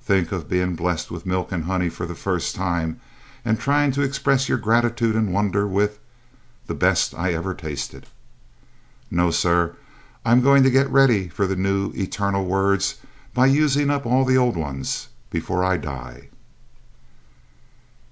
Think of being blessed with milk and honey for the first time and trying to express your gratitude and wonder with, 'The best I ever tasted.' No, sir. I'm going to get ready for the new eternal words by using up all the old ones before I die."